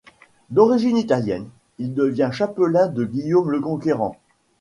D'origine italienne, il devient chapelain de Guillaume le Conquérant.